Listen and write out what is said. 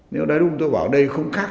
nếu đáy đung tôi bảo đây không khác